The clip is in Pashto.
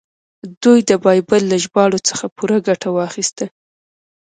دوی د بایبل له ژباړو څخه پوره ګټه واخیسته.